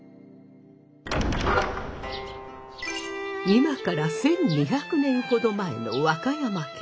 今から１，２００年ほど前の和歌山県。